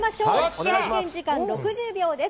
制限時間６０秒です。